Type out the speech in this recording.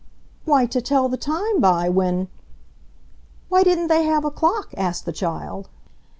"Why to tell the time by, when—" "Why didn't they have a clock?" asked the child.